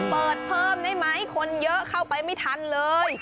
เพิ่มได้ไหมคนเยอะเข้าไปไม่ทันเลย